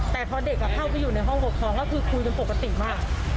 แต่พอเด็กเข้าไปอยู่ในห้องปกครองก็คือคุยกันปกติมาก